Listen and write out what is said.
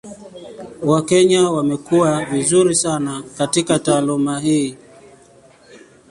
Wakenya wamekuwa vizuri sana katika taaluma hii.